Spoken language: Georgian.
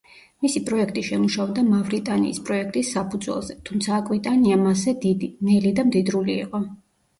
მისი პროექტი შემუშავდა „მავრიტანიის“ პროექტის საფუძველზე, თუმცა „აკვიტანია“ მასზე დიდი, ნელი და მდიდრული იყო.